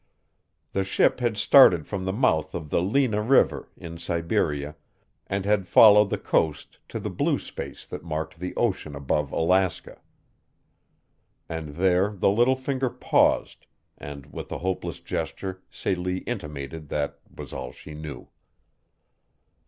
The ship had started from the mouth of the Lena River, in Siberia, and had followed the coast to the blue space that marked the ocean above Alaska. And there the little finger paused, and with a hopeless gesture Celie intimated that was all she knew.